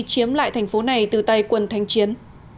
chiếm lại thành phố này từ tay quân thanh chiến